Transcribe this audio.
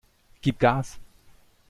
Gib Gas!